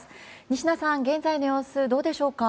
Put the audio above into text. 仁科さん、現在の様子どうでしょうか？